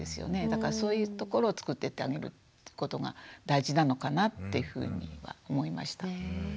だからそういうところをつくっていってあげるってことが大事なのかなっていうふうには思いました。